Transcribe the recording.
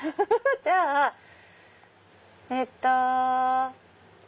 じゃあえっと。